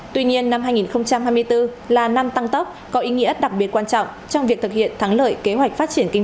tuy nhiên năm hai nghìn hai mươi bốn là năm tăng tốc có ý nghĩa đặc biệt quan trọng trong việc thực hiện